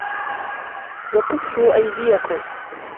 وَكُفُّوا أَيْدِيَكُمْ